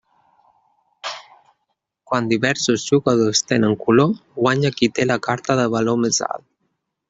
Quan diversos jugadors tenen color, guanya qui té la carta de valor més alt.